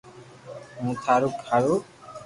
ھون ٿارو ھارو